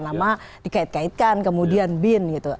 nama dikait kaitkan kemudian bin gitu